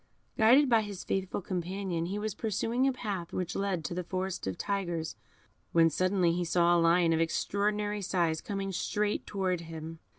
Guided by his faithful companion, he was pursuing a path which led to the Forest of Tigers, when suddenly he saw a lion of extraordinary size coming straight towards him.